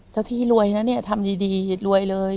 ที่รวยนะเนี่ยทำดีรวยเลย